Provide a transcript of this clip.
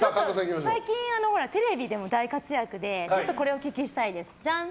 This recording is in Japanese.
最近、テレビでも大活躍でちょっとこれをお聞きしたいです。